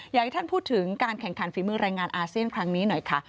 อยากให้ท่านพูดถึงการแข่งขันฝีมือแรงงานอาเซียนครั้งนี้หน่อยค่ะ